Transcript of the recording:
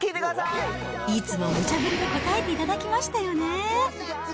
いつもむちゃぶりに応えていただきましたよね。